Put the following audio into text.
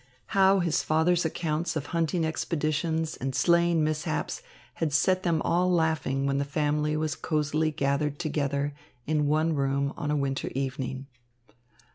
How his father's accounts of hunting expeditions and sleighing mishaps had set them all laughing when the family was cosily gathered together in one room on a winter evening.